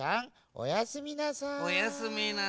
おやすみなさい。